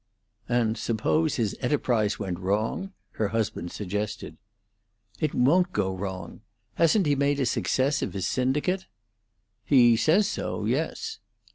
"And suppose his enterprise went wrong?" her husband suggested. "It won't go wrong. Hasn't he made a success of his syndicate?" "He says so yes."